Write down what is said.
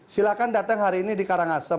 silahkan datang hari ini di karangasem